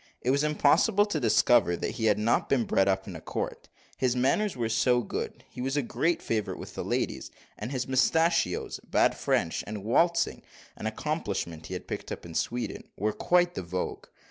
It was impossible to discover that he had not been bred up in a court, his manners were so good. He was a great favourite with the ladies; and his mustachios, bad French, and waltzing an accomplishment he had picked up in Sweden were quite the vogue.